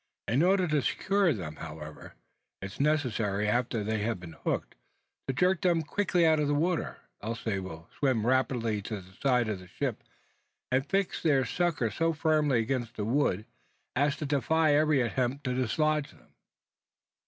In order to secure them, however, it is necessary, after they have been hooked, to jerk them quickly out of the water; else they will swim rapidly to the side of the ship, and fix their sucker so firmly against the wood, as to defy every attempt to dislodge them.